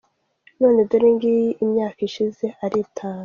None dore ngiyi imyaka ishize ari itanu.